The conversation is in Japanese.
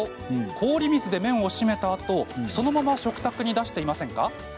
氷水で麺を締めたあと、そのまま食卓に出していませんか？